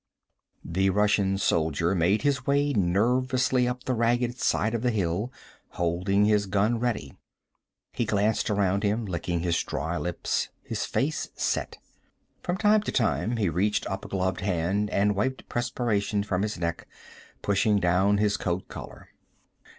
The Russian soldier made his way nervously up the ragged side of the hill, holding his gun ready. He glanced around him, licking his dry lips, his face set. From time to time he reached up a gloved hand and wiped perspiration from his neck, pushing down his coat collar.